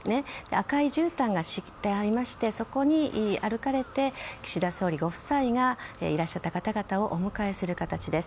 赤いじゅうたんが敷いてありましてそこに歩かれて岸田総理ご夫妻がいらっしゃった方々をお迎えする形です。